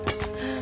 あ。